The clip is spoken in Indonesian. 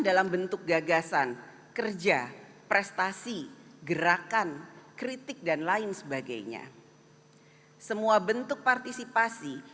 dalam bentuk gagasan kerja prestasi gerakan kritik dan lain sebagainya semua bentuk partisipasi